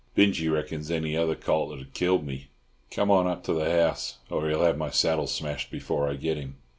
Binjie reckons any other colt'd have killed me. Come on up to the house, or he'll have my saddle smashed before I get him."